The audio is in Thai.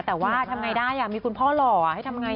แต่ว่าทำไงได้มีคุณพ่อหล่อให้ทำไง